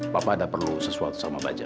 papa ada perlu sesuatu sama baja